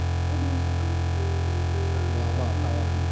まあまあかわいいと。